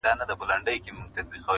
خداى له هري بي بي وركړل اولادونه-